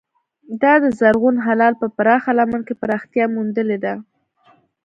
دا د زرغون هلال په پراخه لمن کې پراختیا موندلې ده.